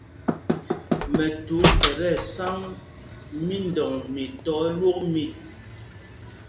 Mɛthut ɛ́ tí ɛsáŋ mídɔŋ mi tɔ̄ ɛlwók mîk.